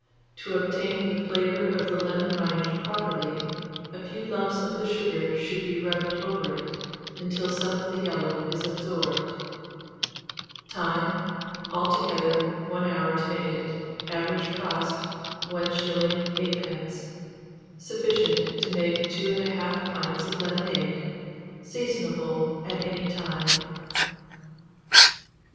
To obtain the flavour of the lemon rind properly, a few lumps of the sugar should be rubbed over it, until some of the yellow is absorbed. Time. Altogether 1 hour to make it. Average cost, 1s. 8d. Sufficient to make 2 1/2 pints of lemonade. Seasonable at any time.